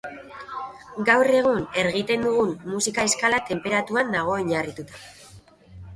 Gaur egun ergiten dugun musika eskala tenperatuan dago oinarrituta.